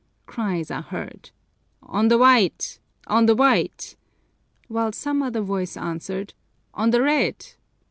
Cries are heard, "On the white!" "On the white!" while some other voice answers, "On the red!"